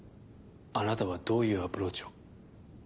あなたはどういうアプローチを？